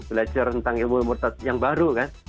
belajar tentang ilmu ilmu yang baru kan